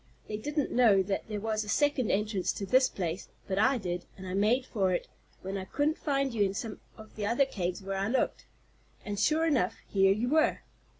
They didn't know that there was a second entrance to this place, but I did, and I made for it, when I couldn't find you in some of the other caves where I looked. And, sure enough, here you were."